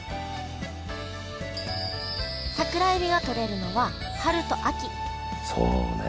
桜えびがとれるのは春と秋そうね